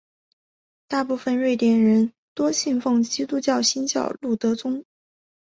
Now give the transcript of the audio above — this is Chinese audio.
大部分瑞典人多信奉基督新教路德宗。